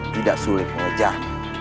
tidak sulit mengejar